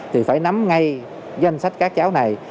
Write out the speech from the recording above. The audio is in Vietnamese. thì phải nắm ngay danh sách các cháu này